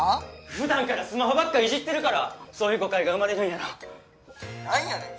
ふだんからスマホばっかいじってるからそういう誤解が生まれるんやろなんやねん